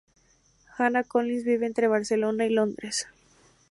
Hannah Collins vive entre Barcelona y Londres.